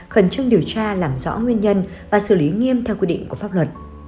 khẩn trương điều tra làm rõ nguyên nhân và xử lý nghiêm theo quy định của pháp luật